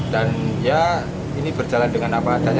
dan ya ini berjalan dengan apa adanya